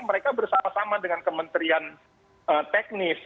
mereka bersama sama dengan kementerian teknis